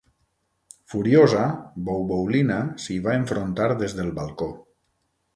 Furiosa, Bouboulina s'hi va enfrontar des del balcó.